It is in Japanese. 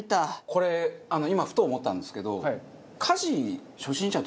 これ今ふと思ったんですけど。